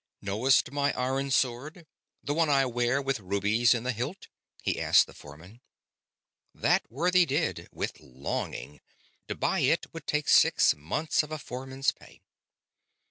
"Knowst my iron sword, the one I wear, with rubies in the hilt?" he asked the foreman. That worthy did, with longing; to buy it would take six months of a foreman's pay.